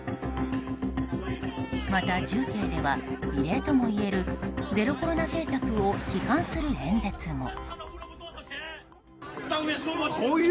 また重慶では異例ともいえるゼロコロナ政策を批判する演説も。